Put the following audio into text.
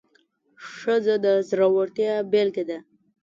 ښځه د زړورتیا بیلګه ده.